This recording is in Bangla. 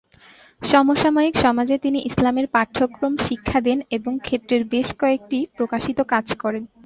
সমসাময়িক সমাজে তিনি ইসলামের পাঠ্যক্রম শিক্ষা দেন এবং ক্ষেত্রের বেশ কয়েকটি প্রকাশিত কাজ করেন।